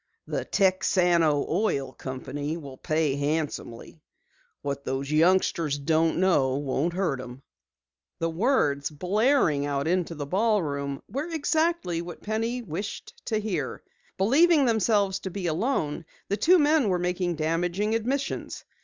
The Texano Oil Company will pay handsomely. What those youngsters don't know won't hurt them." The words, blaring out into the ballroom, were exactly what Penny wished to hear. Believing themselves to be alone, the two men were making damaging admissions.